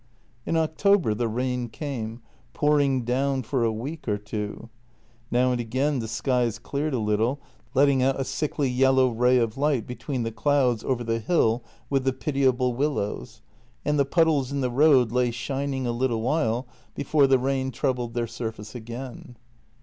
In October the rain came, pouring down for a week or two. Now and again the skies cleared a little, letting out a sickly yellow ray of light between the clouds over the hill with the pitiable willows, and the puddles in the road lay shining a JENNY 239 little while before the rain troubled their surface again.